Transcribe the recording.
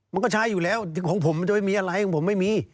มันก็ใช้อยู่แล้วของผมมันจะไม่มีอะไรของผมไม่มี